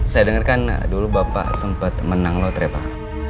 saya dengarkan dulu bapak sempat menang lotre pak